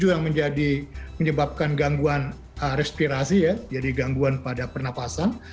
yang menyebabkan gangguan respirasi jadi gangguan pada pernafasan